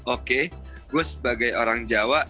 oke gue sebagai orang jawa